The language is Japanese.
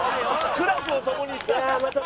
「苦楽を共にした」